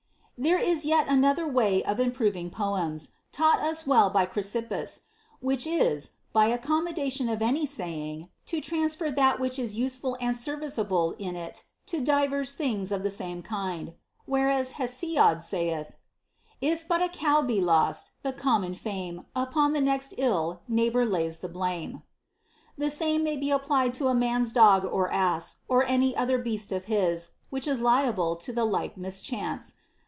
13. There is yet another way of improving poems, taught us well by Chrysippus ; which is, by accommoda tion of any saying, to transfer that which is useful and serviceable in it to divers things of the same kind. For whereas Hesiod saith, If but a cow be lost, the common fame Upon the next ill neighbor lays the blame ;* the same may be applied to a man's dog or ass or any other beast of his which is liable to the like mischance.